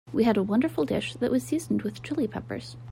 We had a wonderful dish that was seasoned with Chili Peppers.